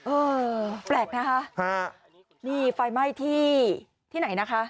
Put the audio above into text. เออแปลกนะคะนี่ไฟไหม้ที่ที่ไหนนะคะ